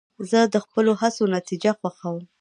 زه د خپلو هڅو نتیجه خوښوم.